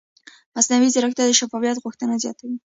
مصنوعي ځیرکتیا د شفافیت غوښتنه زیاتوي.